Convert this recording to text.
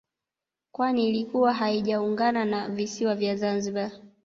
Kwani ilikuwa haijaungana na visiwa vya Zanzibari